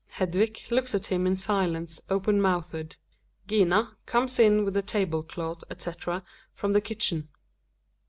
Hedvig looks at him in silence, open mouthed. Gina comes \ in ivUh the table cloihy etc., from the kitchen.